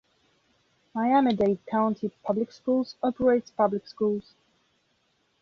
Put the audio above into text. Miami-Dade County Public Schools operates public schools.